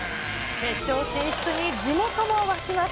決勝進出に地元も沸きます。